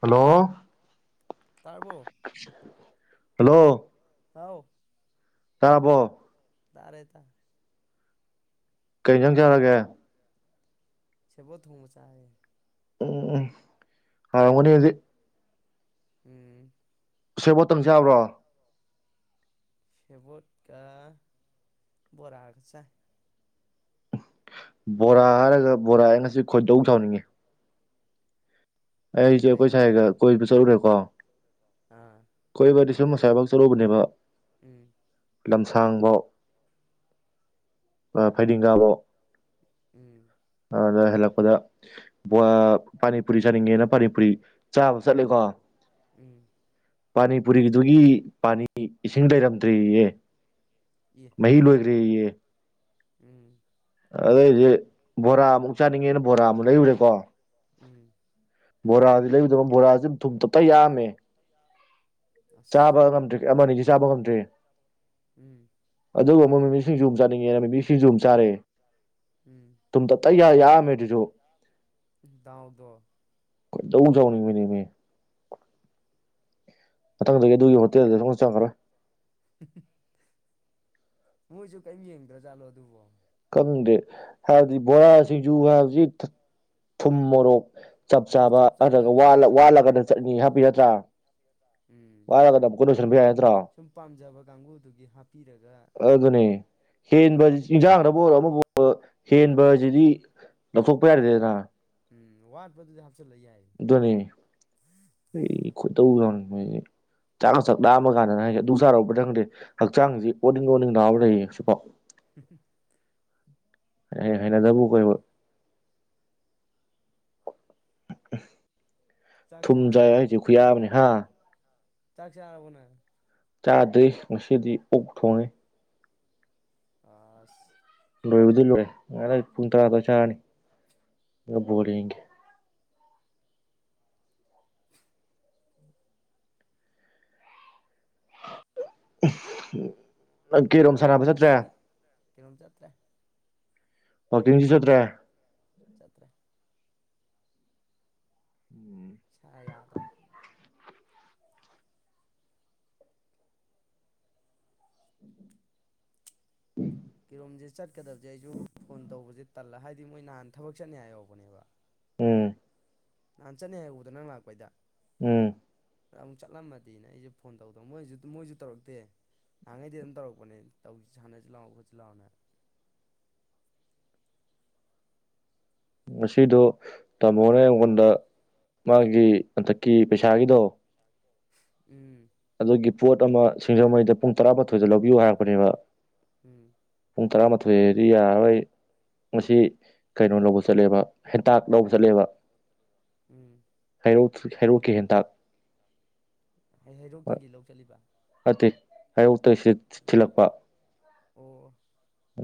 Hello ꯇꯥꯔꯕꯣ hello ꯍꯥꯎ ꯇꯥꯔꯕꯣ ꯇꯥꯔꯦ ꯇꯥ ꯀꯩ ꯑꯦꯟꯁꯡ ꯆꯥꯔꯒꯦ ꯁꯦꯕꯣꯠ ꯊꯣꯡꯕ ꯆꯥꯏꯌꯦ ꯎꯝ ꯍꯥꯎꯔꯝꯒꯅꯤ ꯍꯧꯖꯤꯛ ꯎꯝ ꯁꯦꯕꯣꯠ ꯇꯧ ꯆꯥꯕꯔꯣ ꯁꯕꯣꯠ ꯀꯥ ꯕꯣꯔꯒꯥ ꯆꯥꯏ ꯕꯣꯔꯥ ꯍꯥꯏꯔꯒ ꯕꯣꯔꯥ ꯑ ꯉꯁꯤ ꯈꯣꯏꯗꯧ ꯁꯥꯎꯅꯤꯡꯉꯦ꯫ ꯑꯩꯁꯨ ꯑꯩꯈꯣꯏ ꯀꯩꯒꯤ ꯁꯥꯏ ꯒꯥ ꯀꯣꯏꯕ ꯆꯠꯂꯨꯔꯦꯕꯥꯀꯣ ꯍ ꯑꯥ ꯁꯨꯝ ꯑꯁꯥꯏ ꯐꯥꯎ ꯆꯠꯔꯨꯕꯅꯦꯕ ꯎꯝ ꯂꯝꯁꯥꯡ ꯐꯥꯎ ꯐꯩꯗꯤꯡꯒꯥ ꯐꯥꯎ ꯎꯝ ꯕꯖꯥꯔ ꯍꯜꯂꯛꯄꯗ ꯑ ꯄꯥꯅꯤ ꯄꯨꯔꯤ ꯆꯥꯅꯤꯡꯉꯦꯅ ꯄꯥꯅꯤ ꯄꯨꯔꯤ ꯆꯥꯕ ꯆꯠꯂꯦꯀꯣ ꯎꯝ ꯄꯥꯅꯤ ꯄꯨꯔꯤꯗꯨꯒꯤ ꯄꯥꯅꯤ ꯏꯁꯤꯡ ꯂꯩꯔꯝꯗ꯭ꯔꯦꯌꯦ ꯏ ꯃꯍꯤ ꯂꯣꯢ ꯔꯦꯌꯦ [unintelligible] ꯑꯗꯨꯗꯩ ꯑꯩꯁꯦ ꯕꯣꯔꯥ ꯑꯃꯨꯛ ꯆꯥꯅꯤꯡꯉꯦꯅ ꯕꯣꯔꯥ ꯑꯃꯨꯛ ꯂꯩꯔꯨꯔꯦꯀꯣ [inaudible] ꯕꯣꯔꯥꯗꯤ ꯂꯩꯕꯗ ꯕꯣꯔꯥꯁꯦ ꯊꯨꯝ ꯇꯞꯇꯥꯏ ꯌꯥꯛꯑꯝꯃꯦ ꯑꯁ ꯆꯥꯕ ꯉꯝꯗ꯭ꯔꯦ ꯑꯃ ꯑꯅꯤꯗꯩ ꯆꯥꯕ ꯉꯝꯗ꯭ꯔꯦ ꯎꯝ ꯑꯗꯨꯒ ꯑꯃꯣꯛ ꯃꯤꯃꯤ ꯁꯤꯡꯖꯨ ꯆꯥꯅꯤꯡꯉꯦꯅ ꯃꯤꯃꯤ ꯁꯤꯡꯖꯨ ꯑꯃꯨꯛ ꯆꯥꯔꯦ ꯎꯝ ꯊꯨꯝ ꯇꯞ ꯇꯥꯏ ꯌꯥ ꯌꯥꯛ ꯑꯝꯃꯦ ꯑꯗꯨꯁꯨ ꯗꯥꯎꯗꯣ ꯈꯣꯏꯗꯧ ꯁꯥꯎꯅꯤꯡꯕꯤꯅꯦꯃꯦ ꯃꯊꯪꯗꯒꯤ ꯑꯗꯨꯒꯤ ꯍꯣꯇꯦꯜꯗ ꯁꯨꯛ ꯆꯪ ꯆꯡꯉꯔꯣꯏ [unintelligible] ꯃꯣꯏꯁꯨ ꯀꯔꯤꯝ ꯌꯦꯡꯗ꯭ꯔꯖꯥꯔꯣ ꯑꯗꯨꯕꯣ ꯈꯪꯗꯦ ꯍꯥꯏꯗꯤ ꯕꯣꯔꯥ ꯁꯤꯡꯖꯨꯒ ꯍꯥꯏꯕꯗꯤ ꯊꯨꯝ ꯃꯣꯔꯣꯛ ꯆꯞ ꯑꯗꯨꯗꯤ ꯆꯥꯕ ꯆꯥꯅ ꯅꯠꯇꯔꯒ ꯋꯥꯠꯂꯒ ꯇꯧꯒꯗꯕꯅꯦꯕ ꯆꯠꯅꯤ ꯍꯥꯞꯄꯤ ꯅꯠꯇ꯭ꯔ ꯎꯝ ꯋꯥꯠꯂꯒꯗ ꯑꯃꯨꯛꯀ ꯅꯣꯏꯁꯤꯟꯕ ꯌꯥꯏ ꯅꯠꯇ꯭ꯔꯣ ꯁꯨꯝ ꯄꯥꯝꯖꯕ ꯀꯥꯡꯕꯨꯗꯨꯒꯤ ꯍꯥꯞꯄꯤꯔꯒ ꯑꯗꯨꯗꯨꯅꯦ ꯍꯦꯟꯕ ꯏꯟꯖꯥꯡꯗ ꯄꯣꯠ ꯑꯗꯨꯒꯨꯝꯕ ꯑꯃꯐꯥꯎ ꯍꯦꯟꯕꯕꯁꯤꯗꯤ ꯂꯧꯊꯣꯛꯄ ꯌꯥꯗꯔꯦꯗꯅ ꯎꯝ ꯋꯥꯠꯄꯗꯨꯗꯤ ꯍꯥꯞꯆꯜꯂ ꯌꯥꯏ ꯑꯗꯨꯅꯤ ꯑꯩ ꯈꯣꯏꯗꯧ ꯁꯥꯎꯅꯤꯡꯕꯁꯤꯗꯤ ꯆꯥꯛꯀ ꯆꯥꯛ ꯂꯥꯝꯃ ꯀꯥꯟꯗꯅꯦ ꯍꯥꯏꯁꯦ ꯑꯗꯨ ꯆꯥꯔꯨꯕꯗꯩꯔ ꯈꯪꯗꯦ ꯍꯛꯆꯥꯡꯁꯤ ꯑꯣꯅꯤꯡ ꯑꯣꯅꯤꯡ ꯂꯥꯎꯔ ꯂꯩꯔꯦ ꯍꯧꯖꯤꯛ ꯐꯥꯎ ꯎꯝ ꯍꯩ ꯅꯗꯕꯣꯏ ꯀꯩꯑꯣꯏ ꯎ [unintelligible] ꯆꯥꯛ ꯊꯨꯝꯆꯥꯏ ꯆꯥꯔꯕꯣ ꯍꯥꯏꯁꯦ ꯈꯨꯌꯥꯛ ꯑꯝꯃ ꯅꯦ ꯆꯥꯛ ꯆꯥꯔꯕꯣ ꯅꯪ ꯆꯥꯗ꯭ꯔꯤ ꯉꯁꯤꯗꯤ ꯑꯣꯛ ꯊꯣꯡꯉꯤ ꯑꯁ ꯂꯣꯏꯕꯗꯤ ꯂꯣꯏꯔꯦ ꯄꯨꯡ ꯇꯔꯥ ꯑꯗꯋꯥꯏꯗ ꯆꯥꯔꯅꯤ ꯑꯗꯨꯒ ꯕꯣꯜ ꯌꯦꯡꯒꯦ ꯎꯝ ꯅꯪ ꯀꯦꯔꯣꯝ ꯁꯥꯟꯅꯕ ꯕꯣꯜ ꯆꯠꯇ꯭ꯔꯦ ꯉꯁꯤꯗꯤ ꯀꯩꯅꯣꯝ ꯆꯠꯇ꯭ꯔꯦ ꯋꯥꯀꯤꯡꯁꯨ ꯆꯠꯇ꯭ꯔꯦ ꯆꯠꯇ꯭ꯔꯦ ꯏꯁꯥ ꯌꯥꯗ꯭ꯔꯦ ꯀꯤꯔꯣꯝꯁꯦ ꯆꯠꯀꯗꯕꯁꯦ ꯑꯩꯁꯨ ꯐꯣꯟ ꯇꯧꯕꯁꯦ ꯇꯜꯂ ꯍꯥꯏꯗꯤ ꯃꯣꯏ ꯅꯍꯥꯟ ꯊꯕꯛ ꯆꯠꯅꯤ ꯍꯥꯏ ꯌꯧꯕꯅꯦꯕ ꯎꯝ ꯅꯍꯥꯟ ꯆꯠꯅꯤ ꯍꯥꯏꯦꯛ ꯎꯗ ꯅꯪ ꯂꯥꯛꯄꯩꯗ ꯎꯝ ꯑꯃꯨꯛ ꯆꯠꯂꯝꯃꯗꯤꯅ ꯑꯩꯖꯨ ꯐꯣꯟ ꯇꯧꯗꯕ ꯃꯣꯏꯁꯨ ꯃꯣꯏꯁꯨ ꯇꯧꯔꯛꯇꯦ ꯅꯍꯥꯟꯉꯩꯗꯤ ꯑꯗꯨꯝ ꯇꯧꯔꯛꯄꯅꯦ ꯇꯧꯁꯤ ꯁꯥꯟꯅꯁꯤ ꯂꯥꯛꯑꯣ ꯈꯣꯠꯁꯤ ꯂꯥꯛꯑꯣꯅ ꯉꯁꯤꯗꯣ ꯇꯥꯃꯣꯅ ꯑꯩꯉꯣꯟꯗ ꯃꯥꯒꯤ ꯍꯟꯗꯛꯀꯤ ꯄꯩꯁꯥꯒꯤꯗꯣ ꯎꯝ ꯑꯗꯨꯒꯤ ꯄꯣꯠ ꯑꯃ ꯁꯤꯡꯖꯃꯩꯗ ꯄꯨꯡ ꯇꯔꯥꯃꯥꯊꯣꯏꯗ ꯂꯧꯕꯤꯌꯨ ꯍꯥꯏꯔꯛꯄꯅꯦꯕ ꯎꯝ ꯄꯨꯡ ꯇꯔꯥꯃꯥꯊꯣꯏꯗꯤ ꯌꯥꯔꯔꯣꯏ ꯃꯁꯤ ꯀꯩꯅꯣ ꯂꯧꯕ ꯆꯠꯂꯦꯕ ꯍꯦꯟꯇꯥꯛ ꯂꯧꯕ ꯆꯠꯂꯦꯕ ꯎꯝ ꯍꯩꯔꯧ ꯍꯩꯔꯣꯛꯀꯤ ꯍꯦꯟꯇꯥꯛ ꯍꯩ ꯍ ꯍꯩꯔꯣꯛꯇꯒꯤ ꯂꯧ ꯆꯠꯂꯤꯕ ꯑꯗꯨ ꯑꯌꯨꯛꯇ ꯊꯤꯜꯂꯛꯄ ꯑꯣ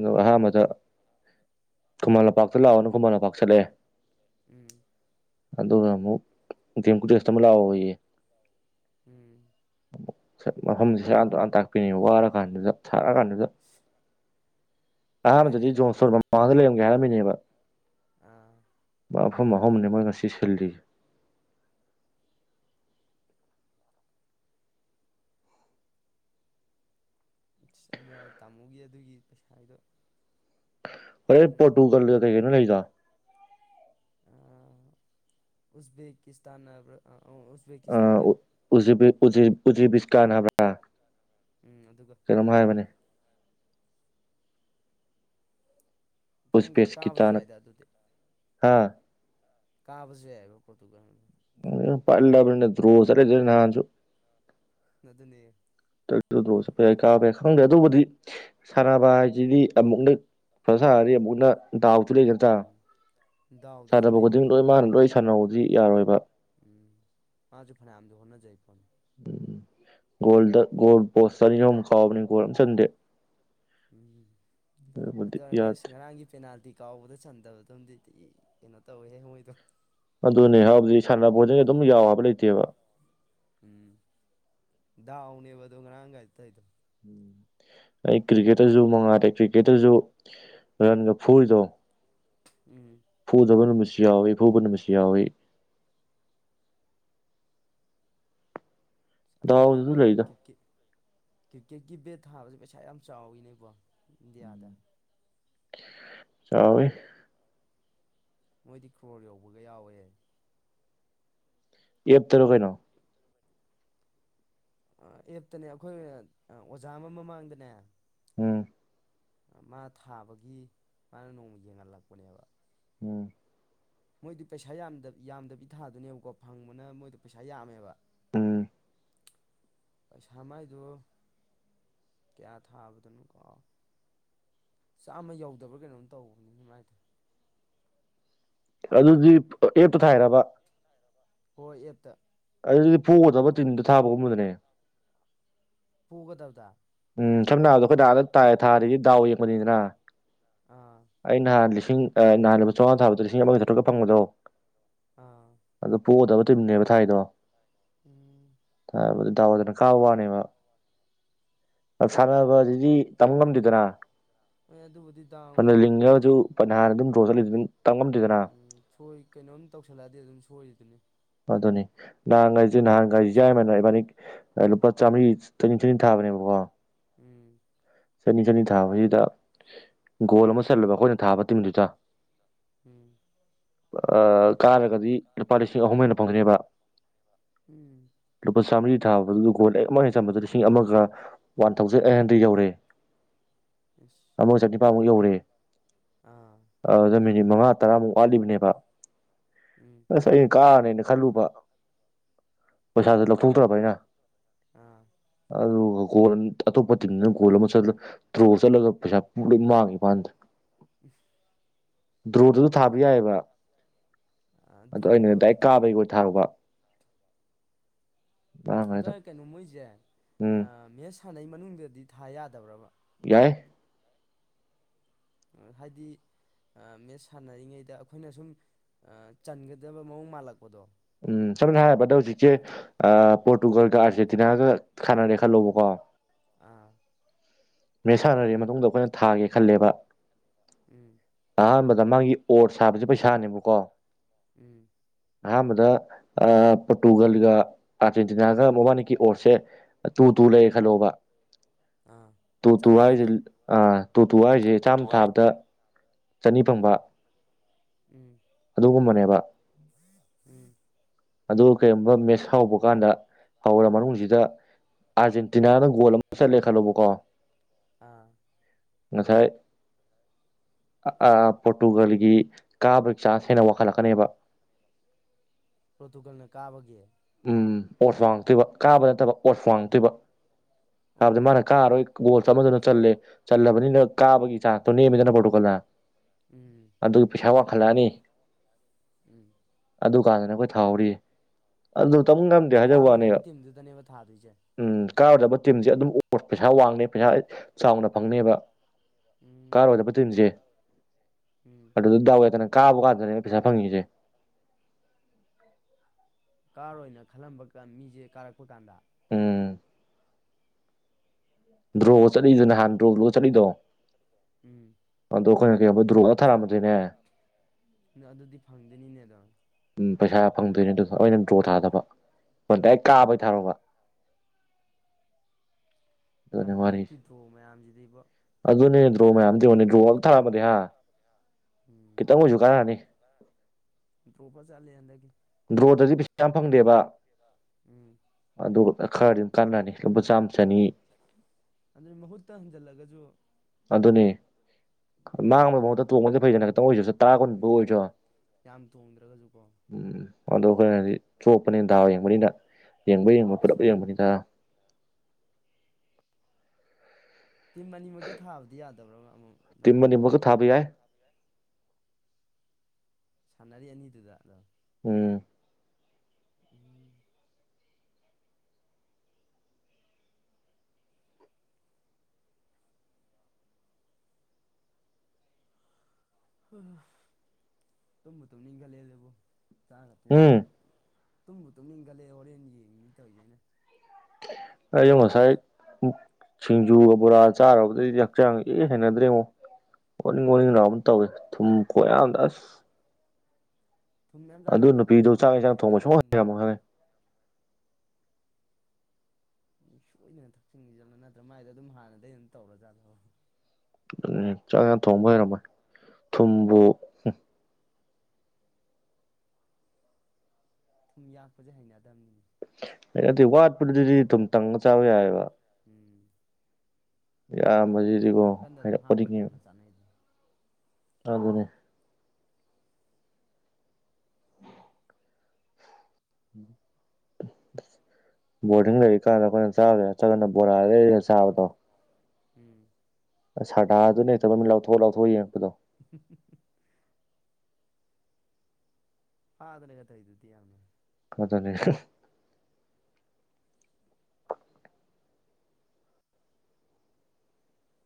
ꯑ ꯑꯍꯥꯟꯕꯗ ꯈꯨꯃꯟ ꯂꯝꯄꯥꯛꯇ ꯂꯥꯛꯑꯣꯅ ꯈꯨꯃꯟ ꯂꯝꯄꯥꯛ ꯆꯠꯂꯛꯑꯦ ꯎꯝ ꯑꯗꯨꯒ ꯑꯃꯨꯛ ꯇꯦꯝꯀꯗꯤꯁꯇ [unintelligible] ꯑꯃ ꯂꯥꯎꯑꯣꯌꯦ ꯎꯝ ꯃꯐꯝꯁ ꯁꯥꯟ ꯇꯥꯛꯄꯤꯅꯤ ꯋꯥꯔ ꯀꯥꯟꯗꯨꯗ ꯁꯥꯔ ꯀꯥꯟꯗꯨꯗ ꯀꯥꯏꯗꯩ ꯑꯗꯤ ꯂꯧꯔꯤꯕ ꯖꯣꯟꯁꯣꯔꯔ ꯃ ꯃꯥ ꯑꯗꯨꯂ ꯌꯥꯔꯝꯃꯅꯤꯕ ꯑꯥ ꯃꯥꯐꯝ ꯑꯍꯨꯝꯅꯦ ꯃꯣꯏ ꯉꯁꯤ ꯁꯜꯂꯤꯁ‌ꯦ ꯑꯗꯨ ꯇꯥꯃꯣꯒꯤ ꯑꯗꯨꯒꯤ ꯄꯩꯁꯥ ꯍꯥꯏꯗꯣ ꯍꯣꯔꯦꯟ ꯄꯣꯔꯇꯨꯒꯜꯒ ꯀꯩꯒꯅꯣ ꯂꯩꯗꯣ ꯎꯖꯕꯀꯤꯁꯇꯥꯟ ꯍꯥꯏꯕ꯭ꯔ ꯑ ꯑ ꯎꯖꯦꯕ ꯎꯖꯦꯕꯤ ꯎꯖꯦꯕꯤꯁꯇꯥꯟ ꯍꯥꯏꯕ꯭ꯔ ꯑ ꯎꯝ ꯑꯗꯨꯒ ꯈꯪꯗꯦꯗ ꯀꯥꯕꯁꯨ ꯎꯁꯕꯦꯀꯤꯁꯇꯥꯅ ꯌꯥꯏꯗ ꯍꯥꯥ ꯀꯥꯕꯖꯨ ꯌꯥꯏꯕ ꯄꯣꯔꯇꯨꯒꯟꯅ [unintelligible] ꯅꯗꯨꯅꯦ ꯗ꯭ꯔꯣ ꯆꯠꯄ ꯌꯥꯏ ꯀꯥꯕ ꯌꯥꯏ ꯈꯪꯗꯦ ꯑꯗꯨꯕꯨꯗꯤ ꯁꯥꯟꯅꯕ ꯍꯥꯏꯁꯤꯗꯤ ꯑꯃꯨꯛꯅ ꯁꯐꯖꯅꯥ ꯁꯟꯅꯅꯤ ꯑꯃꯨꯛꯅ ꯗꯥꯎꯁꯨ ꯂꯩ ꯅꯠꯇ꯭ꯔꯥ ꯎꯝ ꯗꯎꯗꯁꯨ ꯁꯥꯟꯅꯕ ꯂꯩꯗ ꯈꯨꯗꯤꯡ ꯂꯣꯏ ꯃꯥꯅ ꯂꯣꯏ ꯁꯥꯟꯅꯧꯗꯤ ꯌꯥꯔꯣꯏꯕ ꯎꯝꯁꯨ ꯐꯅ ꯑꯝꯗ ꯍꯣꯅꯖ ꯎꯝ ꯒꯣꯜꯗ ꯒꯣꯜ ꯄꯣꯁ ꯆꯅꯤ ꯆꯍꯨꯝ ꯀꯥꯎꯕꯅꯤ ꯒꯣꯜ ꯑꯝ ꯆꯟꯗꯦ ꯎꯝ ꯑꯗꯨꯕꯨꯗꯤ ꯑꯗꯨ ꯑꯣꯏꯔꯒ ꯌꯥꯗꯦ ꯉꯔꯥꯡꯒꯤ ꯄꯦꯅꯥꯜꯇꯤ ꯀꯥꯎꯕꯗ ꯆꯟꯗꯕꯗꯝꯗꯤ ꯗꯤ ꯀꯩꯅꯣ ꯇꯧꯋꯦ ꯃꯣꯏꯗꯣ ꯑꯗꯨꯅꯦ ꯍꯧꯖꯤꯛ ꯁꯥꯟꯅꯕ ꯈꯣꯠꯁꯤ ꯑꯗꯨꯝ ꯌꯥꯎ ꯍꯥꯏꯕ ꯂꯩꯇꯦꯕ ꯎꯝ ꯎꯅꯤꯕ ꯉꯥꯡꯒꯥꯏ ꯊꯗ ꯎꯝ ꯑꯩ ꯀ꯭ꯔꯤꯛꯀꯦꯠꯇꯁꯨ ꯃꯉꯥꯜꯗ ꯀ꯭ꯔꯤꯛꯀꯦꯠꯇꯁꯨ ꯔꯟꯒ ꯐꯨꯔꯤꯗꯣ [inaudible] ꯐꯨꯗꯕ ꯅꯨꯃꯤꯠ ꯌꯥꯎꯋꯦ ꯐꯨꯕꯥ ꯅꯨꯃꯤꯠꯁꯨ ꯌꯥꯎꯋꯦ ꯑꯗꯨ ꯗꯥꯎꯗꯁꯨ ꯍꯥꯏꯒ ꯑꯩ ꯂꯩꯗ ꯀꯤꯠ-ꯀꯤꯠ ꯀꯤꯠ ꯀꯦꯠꯀꯤ ꯕꯦꯠ ꯊꯥꯕꯖꯦ ꯄꯩꯁꯥ ꯌꯥꯝ ꯆꯥꯎꯋꯤꯅꯦꯀꯣ ꯗꯤꯌꯥꯗ ꯆꯥꯎꯋꯦ ꯃꯣꯏꯗꯤ ꯀ꯭ꯔꯣꯔ ꯌꯧꯕꯒ ꯌꯥꯎꯋꯦ ꯑꯦꯞꯇꯥꯔꯣ ꯀꯩꯅꯣ ꯑꯥ ꯑꯦꯞꯇꯅꯦ ꯑꯈꯣꯏ ꯑꯣꯖꯥ ꯑꯃ ꯃꯃꯥꯡꯗꯅꯦ ꯎꯝ ꯃꯥ ꯊꯥꯕꯒꯤ ꯃꯥꯅ ꯅꯣꯡꯃ ꯌꯦꯡꯍꯟꯂꯛꯄꯅꯦꯕ ꯎꯝ ꯃꯣꯏꯗꯤ ꯄꯩꯁꯥ ꯌꯥꯝ-ꯌꯥꯝꯗꯕꯤ ꯊꯥꯗꯣꯏꯅꯦꯕꯀꯣ ꯐꯪꯕꯅ ꯃꯣꯏꯗꯣ ꯄꯩꯁꯥ ꯌꯥꯝꯃꯦꯕ ꯎꯝ ꯄꯩꯁꯥ ꯃꯥꯏꯗꯨ ꯀꯌꯥ ꯊꯥꯕꯗꯅꯣ ꯀꯥꯎꯒ꯭ꯔꯦ ꯆꯥꯝꯃ ꯌꯧꯗꯕ꯭ꯔꯥ ꯀꯩꯅꯣꯝ ꯇꯧꯕꯅꯤꯅ ꯃꯥꯏꯗꯣ ꯑꯗꯨꯗꯤ ꯑꯦꯞꯇꯨ ꯑꯗꯨꯝ ꯊꯥꯏꯔꯕ ꯍꯣꯏ ꯑꯦꯞ ꯑꯗꯨꯗꯤ ꯐꯨꯒꯗꯕ ꯇꯤꯝꯗ ꯊꯥꯕ ꯒꯨꯝꯕꯗꯅꯦ ꯐꯨꯒꯗꯕꯗ ꯎꯝ ꯁꯝꯅ ꯍꯥꯏꯕꯗ ꯑꯩꯈꯣꯏ ꯑꯥꯗ ꯊꯥꯢ- ꯊꯥꯔꯤꯗꯤ ꯗꯥꯎ ꯌꯦꯡꯕꯅꯤꯗꯅ ꯑꯥ ꯑꯩ ꯅꯍꯥꯟ ꯂꯤꯁꯤꯡ ꯎꯝ ꯑꯥ ꯅꯍꯥꯟ ꯂꯨꯄꯥ ꯆꯧꯉꯥ ꯊꯥꯗ ꯂꯤꯁꯤꯡ ꯑꯃꯒ ꯆꯥꯇꯔꯨꯛꯇ ꯐꯪꯕꯗꯣ ꯑꯥ ꯑꯗꯨ ꯄꯣꯒꯗꯕ ꯇꯤꯝꯅꯦꯕ ꯊꯥꯏꯗꯣ ꯎꯝ ꯊꯥꯕ ꯇꯕꯗꯅ ꯈꯥ ꯋꯥꯅꯦꯕ ꯁꯥꯟꯅꯕꯖꯤꯗꯤ ꯇꯝꯕ ꯉꯝꯗꯦꯗꯅ ꯑꯦ ꯑꯗꯨꯕꯨꯗꯤ ꯗꯥꯎꯅꯤ ꯄꯅꯥ ꯑꯗꯨꯝ ꯗ꯭ꯔꯣ ꯆꯠꯂꯤ ꯑꯗꯨꯝ ꯇꯝ ꯉꯝꯗꯦꯗꯅ ꯎꯝ ꯍꯣꯏ ꯀꯩꯅꯣꯝ ꯇꯧꯁꯜ ꯑꯗꯨꯅꯤ ꯅꯥꯉꯥꯏ ꯑꯗꯨ ꯍꯥꯟꯒꯥ ꯌꯥꯏꯃꯅ ꯏꯕꯥꯛꯅꯤ ꯂꯨꯄꯥ ꯆꯥꯝꯃ꯭ꯔꯤ ꯆꯅꯤ-ꯆꯅꯤ ꯊꯥꯕꯅꯦꯀꯣ ꯎꯝ [inaudible] ꯆꯅꯤ-ꯆꯅꯤ ꯊꯥꯕꯖꯤꯗ ꯒꯣꯜ ꯑꯃ ꯆꯠꯂꯦꯕ ꯑꯩꯈꯣꯏꯅ ꯊꯥꯕ ꯇꯤꯝꯗꯨꯗ ꯎꯝ [inaudible] ꯑꯥ ꯀꯥꯔꯥꯒꯗꯤ ꯂꯨꯄꯥ ꯂꯤꯁꯤꯡ ꯑꯍꯨꯝ ꯍꯦꯟꯅ ꯐꯪꯅꯦꯕ ꯎꯝ ꯂꯨꯄꯥ ꯆꯥꯝꯔꯤ ꯊꯥꯕꯗꯨ ꯒꯣꯜ ꯑꯃ ꯍꯟꯕꯗ ꯂꯤꯁꯤꯡ ꯑꯃꯒ ꯋꯥꯟ ꯊꯥꯎꯖꯟ ꯑꯩꯠ ꯍꯟꯗ꯭ꯔꯦꯗ ꯌꯧꯔꯦ ꯑꯁ [unintelligible] ꯇꯦ ꯑꯥ ꯃꯤꯠ ꯃꯉꯥ ꯇꯔꯥꯃꯨꯛ ꯋꯥꯠꯂꯤꯕꯅꯦꯕ ꯎꯝ ꯑꯁꯥꯏ ꯀꯥꯅꯦꯅ ꯈꯜꯂꯨꯕ ꯄꯩꯁꯥꯗꯨ ꯂꯧꯊꯨꯡꯇ꯭ꯔꯕ ꯑꯩꯅ ꯑꯝ ꯑꯗꯨꯒ ꯒꯣꯜ ꯑꯇꯣꯞꯄ ꯇꯤꯝꯗꯨꯅ ꯒꯣꯜ ꯑꯃ ꯆꯂ ꯇ꯭ꯔꯣ ꯆꯠꯂꯒ ꯄꯩꯁꯥ ꯄꯨ ꯂꯣꯏ ꯃꯥꯡꯉꯦ ꯏꯄꯥꯟꯗ ꯎ ꯗ꯭ꯔꯨꯗꯨꯁꯨ ꯊꯥꯕ ꯌꯥꯏꯑꯕ ꯑ ꯑꯗꯣ ꯑꯗꯨ ꯑꯩꯅ ꯗꯥꯏꯔꯦꯛ ꯀꯥꯕꯩ [inaudible] ꯊꯥꯔꯨꯕ ꯃꯥꯡꯈ꯭ꯔꯦ ꯑꯗꯨꯝ ꯑꯗ ꯀꯩꯅꯣ ꯃꯣꯏꯖꯦ ꯎꯝ ꯃꯦꯁ ꯁꯥꯟꯅꯩ ꯃꯅꯨꯡꯗꯗꯤ ꯊꯥ ꯌꯥꯗꯕ꯭ꯔꯥꯕ ꯌꯥꯏ ꯍꯥꯏꯗꯤ ꯃꯦꯠꯁ ꯁꯥꯟꯅꯔꯤꯉꯩꯗ ꯑꯩꯈꯣꯏꯅ ꯁꯨꯝ ꯆꯟꯒꯗꯕ ꯃꯑꯣꯡ ꯃꯥꯜꯂꯛ ꯎꯝ ꯁꯝꯅ ꯍꯥꯢꯔꯕꯗ ꯍꯖꯤꯛꯁꯦ ꯑꯗꯨꯗꯒꯤ [unintelligible] ꯨꯒꯗꯁꯦ ꯑꯔꯖꯦꯟꯇꯤꯅꯥꯒ ꯈꯥꯟꯅꯔꯦ ꯈꯜꯂꯧꯕꯀꯣ ꯑꯥ ꯃꯦ ꯁꯥꯟꯅꯔꯦ ꯃꯇꯨꯡꯗ ꯑꯩꯈꯣꯏꯅ ꯊꯥꯒꯦ ꯈꯜꯂꯦꯕ ꯎꯝ ꯑꯍꯥꯟꯕꯗ ꯃꯥꯒꯤ ꯑꯣꯠ ꯁꯥꯕꯁꯦ ꯄꯩꯁꯥꯅꯦꯕ ꯀꯣ ꯎꯝ ꯑꯍꯥꯟꯕꯗ ꯄꯣꯔꯇꯨꯒꯜꯒ ꯑꯥꯔꯖꯦꯟꯇꯤꯅꯥꯒ ꯃꯕꯥꯅꯤꯀꯤ ꯑꯣꯔꯁꯦ ꯇꯨ ꯇꯨ ꯂꯩꯌꯦꯦ ꯈꯜꯂꯣꯕ ꯑꯥ ꯇꯣꯇꯨ ꯆꯞ ꯃꯥꯟꯅꯅ ꯍꯥꯏꯔꯤꯁꯦ ꯑ ꯇꯣꯇꯨ ꯍꯥꯏꯔꯤꯁꯦ ꯆꯥꯝ ꯊꯥꯕꯗ ꯆꯅꯤ ꯐꯪꯕ ꯎꯝ ꯑꯗꯨꯒꯨꯝꯕ ꯅꯦꯕ ꯎꯝ ꯑꯗꯨ ꯀꯔꯤꯒꯨꯝꯕ ꯃꯦꯠꯁ ꯍꯧꯕ ꯀꯥꯟꯗ ꯍꯧꯔ ꯃꯅꯨꯡꯁꯤꯗ ꯑꯥꯔꯖꯦꯟꯇꯤꯅꯥꯅ ꯒꯣꯜ ꯑꯃ ꯆꯠꯂꯦ ꯈꯜꯂꯨꯕꯀꯣ ꯑꯥ ꯉꯁꯥꯏ ꯑꯥ ꯑꯥ ꯄꯣꯇꯨꯒꯜꯒꯤ ꯀꯥ ꯕꯔꯤꯛꯆꯥ ꯍꯦꯟꯅ ꯋꯥꯡꯈꯠꯂꯛꯀꯅꯦꯕ ꯄꯣꯇꯨꯒꯜꯅꯦ ꯀꯥꯕꯒꯤ ꯎꯝ ꯑꯣꯠ ꯋꯥꯉꯛꯇꯣꯏꯕ ꯀꯥꯕ ꯅꯠꯇꯕ ꯑꯣꯠ ꯋꯥꯉꯛꯇꯣꯏꯕ ꯍꯥꯕꯗꯤ ꯑꯣ ꯃꯥꯅ ꯀꯥꯔ ꯑꯣꯏ ꯒꯣꯜꯁ ꯑꯃꯗꯨꯅ ꯆꯜꯂꯦ ꯆꯜꯂꯕꯅꯤꯅ ꯀꯥꯕꯒꯤ ꯆꯥꯡꯁ ꯇꯣ ꯅꯦꯝꯃꯤꯗꯅ ꯄꯨꯊꯣꯛꯀꯜꯂ ꯎꯝ ꯑꯗꯨꯒꯤ ꯄꯩꯁꯥꯕ ꯈꯂꯅꯤ ꯎꯝ ꯑꯗꯨꯀꯥꯟꯗꯅ ꯑꯈꯣꯏ ꯊꯥꯍꯧꯔꯤ ꯑꯗꯨ ꯇꯝ ꯉꯝꯗꯦ ꯍꯥꯏꯖꯕ ꯋꯥꯅꯤ ꯀꯥꯔꯣꯏꯗꯕ ꯇꯤꯝꯗꯨꯗꯅꯦꯕ ꯊꯥꯗꯣꯏꯁꯦ ꯎꯝ ꯀꯥꯔꯣꯏꯗꯕ ꯇꯤꯝꯁꯦ ꯑꯗꯨꯝ ꯑꯣ ꯄꯩꯁꯥ ꯋꯥꯡꯅꯦ ꯄꯩꯁꯥ ꯆꯥꯎꯅ ꯐꯪꯅꯦꯕ ꯎꯝ ꯀꯥꯔꯣꯏꯗꯕ ꯇꯤꯝꯁꯦ ꯎꯝ ꯑꯗꯨꯗ ꯗꯥꯎ ꯌꯥꯗꯅ ꯀꯥꯕ ꯀꯥꯟꯗꯅꯦ ꯄꯩꯁꯥ ꯐꯪꯉꯤꯁꯦ ꯀꯥꯔꯣꯏꯅ ꯈꯜꯂꯝꯕ ꯃꯤꯁꯦ ꯀꯥꯔꯛꯄ ꯀꯥꯟꯗ ꯎꯝ ꯗ꯭ꯔꯣ ꯆꯠꯂꯤꯗꯨ ꯅꯍꯥꯟ ꯗ꯭ꯔꯣ [unintelligible] ꯆꯠꯂꯤꯗꯣ ꯎꯝ ꯑꯗꯣ ꯑꯩꯈꯣꯏꯅ ꯀꯩꯒꯨꯝꯕ ꯗ꯭ꯔꯣꯗ ꯊꯥꯔꯝꯃꯗꯤꯅꯦ ꯅ ꯑꯗꯨꯗꯤ ꯐꯪꯗꯣꯏꯅꯤꯅꯦꯗ ꯎꯝ ꯄꯩꯁꯥ ꯐꯪꯗꯣꯏꯅꯦ ꯑꯗꯨꯗ ꯑꯣꯏꯅ ꯗ꯭ꯔꯣ ꯊꯥꯗꯕ ꯍꯣ ꯗꯥꯏꯔꯦꯛ ꯀꯥꯕꯩ ꯊꯥꯔꯕ ꯑꯗ ꯑꯗꯨꯅꯤ ꯃꯥꯔꯤ ꯍꯟꯗꯛꯀꯤ ꯗ꯭ꯔꯣ ꯃꯌꯥꯝꯁꯤꯗꯤꯕꯣ ꯑꯗꯨꯅꯦ ꯗ꯭ꯔꯣ ꯃꯌꯥꯝ ꯗ꯭ꯔꯣꯅ ꯗ꯭ꯔꯣ [unintelligible] ꯊꯥꯕꯗꯤ ꯍꯥ ꯎꯝ ꯈꯤꯇꯪ ꯑꯣꯏꯁꯨ ꯀꯥꯟꯅꯅꯤ ꯆꯂꯦꯟꯗꯒꯤ ꯗ꯭ꯔꯣꯗꯗꯤ ꯄꯩꯁꯥ ꯌꯥꯝ ꯐꯪꯗꯦꯕ ꯎꯝ ꯑꯗꯨ ꯈꯔꯗꯤ ꯑꯗꯨꯝ ꯀꯥꯟꯅꯅꯤ ꯂꯨꯄꯥ ꯆꯥꯝ ꯆꯅꯤ ꯑꯗꯨꯅ ꯃꯍꯨꯠꯇ ꯍꯟꯖꯜꯂꯒꯁꯨ ꯑꯗꯨꯅꯦ ꯃꯥꯡꯕꯩ ꯃꯍꯨꯠꯇ ꯇꯣꯡꯉꯗꯤ ꯐꯩꯗꯅ ꯈꯇꯪ ꯑꯣꯏꯔꯁꯨ ꯆ ꯇꯥꯔꯥ ꯀꯨꯟ ꯈꯤꯇ ꯎꯝ ꯑꯣꯏꯁꯨ ꯌꯥꯝ ꯇꯣꯡꯗ꯭ꯔꯒꯁꯨꯀꯣ ꯎꯝ ꯑꯗꯣ ꯈꯣꯏꯅꯗꯤ ꯆꯣꯛꯄꯅꯤꯅ ꯗꯥꯎ ꯌꯦꯡꯕꯅꯤꯅ ꯌꯦꯡꯕ ꯄꯨꯂꯞ ꯌꯦꯡꯕꯅꯤꯗ ꯇꯤꯝ ꯑꯅꯤꯃꯛꯇ ꯊꯥꯕꯗꯤ ꯌꯥꯗꯕ꯭ꯔꯕ ꯑꯃꯨꯛ ꯇꯤꯝ ꯅꯥꯀꯟ ꯅꯥꯀꯟ ꯑꯅꯤꯃꯛꯀ ꯊꯥꯕ ꯌꯥꯏ ꯁꯥꯟꯅꯔꯤ ꯑꯅꯤꯗꯨꯗ ꯑꯗꯨꯝ ꯎꯝ [unintelligible] ꯇꯨꯝꯕꯨ ꯇꯨꯝꯅꯤꯡ ꯈꯜꯂꯛ ꯑꯦꯗ ꯆꯥꯛꯒ ꯎꯝ ꯇꯣꯛꯑꯝꯅꯤꯅ ꯇꯨꯝꯕꯨ ꯇꯨꯝꯅꯤꯡ ꯈꯠꯂꯛꯑꯦ ꯍꯣꯔꯦꯟ ꯌꯦꯡꯅꯤ ꯇꯧꯔꯤꯁꯦ ꯑꯩꯅ ꯑꯩꯩꯖꯨ ꯉꯁꯥꯏ ꯁꯤꯡꯖꯨꯒ ꯕꯣꯔꯥ ꯆꯥꯨꯔꯕꯗꯩꯗꯤ ꯍꯛꯆꯥꯡ ꯏꯍꯩ ꯍꯩꯅꯗ꯭ꯔꯦꯉꯣ ꯑꯣꯅꯤꯡ ꯑꯣꯅꯤꯡ ꯂꯥꯎꯒꯨꯝ ꯇꯧꯋꯦ ꯊꯨꯝ ꯀꯣꯌꯥꯝꯗ ꯑꯁ ꯊꯨꯝ ꯃꯌꯥꯝ ꯑꯗꯨ ꯆꯥꯁꯟꯕ ꯀꯩꯅꯣ ꯅꯨꯄꯤꯗꯨ ꯆꯥꯛ ꯇꯧꯕꯅꯦ ꯌꯦꯟꯁꯥꯡ ꯊꯣꯡꯕ ꯁꯨꯡ ꯍꯩ ꯍꯩꯅꯗꯕꯅꯤꯅ ꯍꯩꯔꯝꯃꯣꯏ ꯈꯪꯉꯦ ꯁꯣꯏꯗꯅ ꯊꯛꯆꯤꯟꯒꯤꯖꯜꯂꯣ ꯅꯠꯇ꯭ꯔꯥ ꯃꯥꯏꯗꯣ ꯑꯗꯨꯝ ꯍꯥꯟꯅꯗꯧ ꯑꯗꯨꯝ ꯇꯧꯔꯖꯥꯠꯂꯕ ꯅꯗꯨꯅꯦ ꯆꯥꯛ ꯏꯟꯖꯥꯡ ꯊꯣꯡꯕ ꯍꯩꯔꯝꯃꯣꯏ ꯊꯨꯝꯕꯨ ꯍꯨꯝ ꯊꯨꯝ ꯌꯥꯛꯄꯁꯦ ꯍꯩꯅꯗꯝꯅꯤꯅꯦ ꯑꯗꯨꯏ ꯋꯥꯠꯄꯗꯨꯗꯤ ꯑꯗꯨꯝ ꯇꯪꯉ ꯆꯥꯕ ꯌꯥꯏꯕ ꯎꯝ ꯌꯥꯝ ꯕꯖꯤꯗꯤꯀꯣ ꯅꯥꯀꯟꯗ ꯑꯗꯨꯝ ꯍꯥꯏꯔꯞ ꯍꯥꯞꯄ ꯑꯣꯅꯤꯡꯉꯦꯕ ꯇꯪꯉ ꯆꯥꯅꯩꯗꯣ ꯑꯗꯨꯅꯦ ꯕꯣꯔꯗꯤꯡ ꯂꯩꯔꯤ ꯀꯥꯟꯗ ꯑꯈꯣꯏꯅ ꯆꯥꯕ ꯌꯥꯔꯛꯇ꯭ꯔꯒꯅ ꯕꯣꯔꯥ ꯂꯩꯔ ꯂꯩꯔ ꯆꯥꯕꯗꯣ ꯎꯝ ꯁ꯭ꯔꯗꯥꯥ ꯑꯗꯨꯅꯥ ꯍꯦꯛꯇ ꯃꯥꯃꯤꯠ ꯂꯥꯎꯊꯣꯛ ꯂꯥꯎ ꯊꯣꯛꯑꯥ ꯌꯦꯡꯉꯛꯄꯗꯣ ꯐꯥꯒꯅꯤ ꯇꯧꯏꯗꯨꯗꯤ ꯌꯥꯝꯅ ꯑꯗꯨꯅꯤ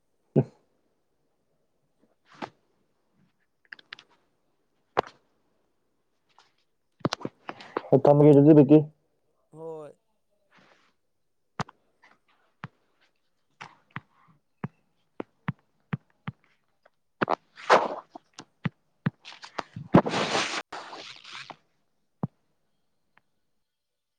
[unintelligible] [unintelligible] ꯍꯣꯏ